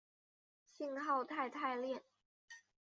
信号肽肽链。